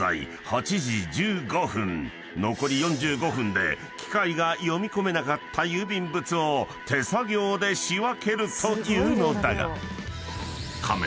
［残り４５分で機械が読み込めなかった郵便物を手作業で仕分けるというのだが］